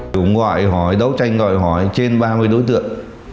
chúng gọi hỏi đấu tranh gọi hỏi trên ba mươi đối tượng